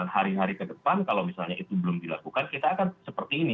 hari hari ke depan kalau misalnya itu belum dilakukan kita akan seperti ini